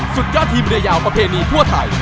สุดยอดทีมเรือยาวประเพณีทั่วไทย